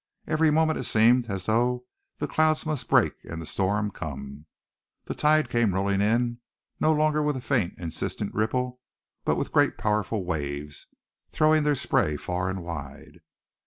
Every moment it seemed as though the clouds must break and the storm come. The tide came rolling in, no longer with a faint, insistent ripple, but with great powerful waves, throwing their spray far and wide.